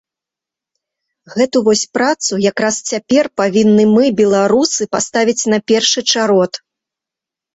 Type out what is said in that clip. Гэту вось працу якраз цяпер павінны мы, беларусы, паставіць на першы чарод.